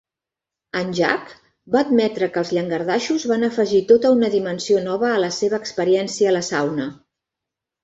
En Jack va admetre que els llangardaixos van afegir tota una dimensió nova a la seva experiència a la sauna.